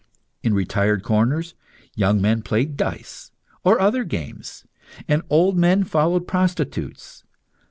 In retired corners, young men played dice or other games, and old men followed prostitutes.